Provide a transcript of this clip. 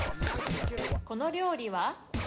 この料理は？